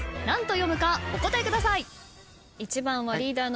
何と読むかお答えください。